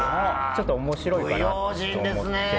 ちょっと面白いかなと思って。